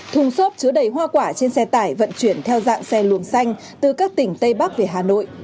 thùng xốp chứa đầy hoa quả trên xe tải vận chuyển theo dạng xe luồng xanh từ các tỉnh tây bắc về hà nội